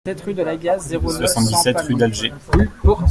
soixante-dix-sept rue d'Alger